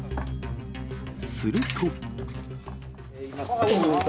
すると。